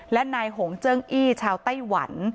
และนายหงเจิ้งอี้ชาวไต้หวัน